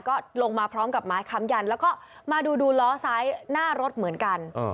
ก็ลงมาพร้อมกับไม้ค้ำยันแล้วก็มาดูล้อซ้ายหน้ารถเหมือนกัน